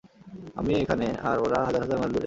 আমি এখানে, আর ওরা হাজার হাজার মাইল দূরে!